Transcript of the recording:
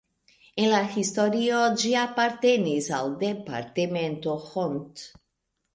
En la historio ĝi apartenis al departemento Hont.